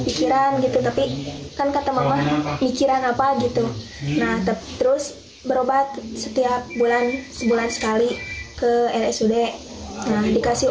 pikiran gitu tapi kan kata mama mikiran apa gitu nah terus berobat setiap bulan sebulan sekali ke rsud dikasih